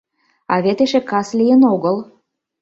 А вет эше кас лийын огыл.